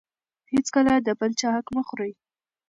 هېڅکله د بل چا حق مه خورئ.